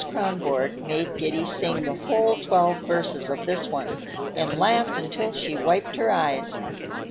Kronborg made Giddy sing the whole twelve verses of this one, and laughed until she wiped her eyes.